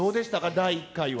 第１回は。